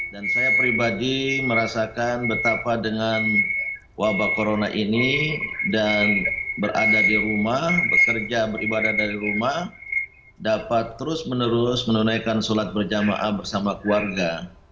saya pribadi merasakan betapa dengan wabah corona ini dan berada di rumah bekerja beribadah dari rumah dapat terus menerus menunaikan sholat berjamaah bersama keluarga